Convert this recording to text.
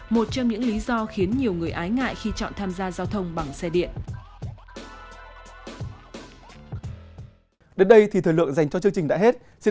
một trong những lý do khiến nhiều người ái ngại khi chọn tham gia giao thông bằng xe điện